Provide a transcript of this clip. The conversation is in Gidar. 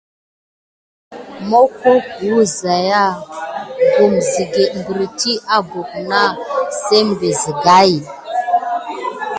Mohoh wuziya kum sikete pirti abok nʼa zébem sigà.